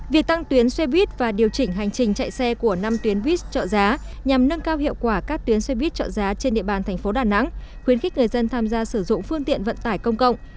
việc tăng tuyến xe buýt và điều chỉnh hành trình chạy xe của năm tuyến buýt trợ giá nhằm nâng cao hiệu quả các tuyến xe buýt trợ giá trên địa bàn thành phố đà nẵng khuyến khích người dân tham gia sử dụng phương tiện vận tải công cộng